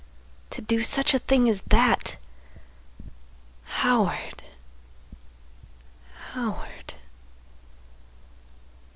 _ To do such a thing as that! Howard—Howard.